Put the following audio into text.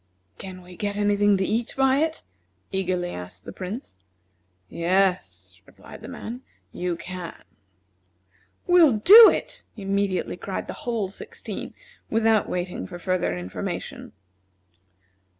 "Can we get any thing to eat by it?" eagerly asked the Prince. "Yes," replied the man, "you can." "We'll do it!" immediately cried the whole sixteen, without waiting for further information.